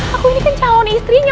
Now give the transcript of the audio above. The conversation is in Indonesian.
aku ini kan calon istrinya